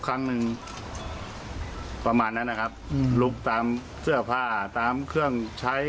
ครั้งหนึ่งประมาณนั้นนะครับลุกตามเสื้อผ้าตามเครื่องใช้